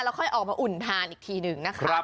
เราค่อยมาอุ่นทานอีกทีหนึ่ง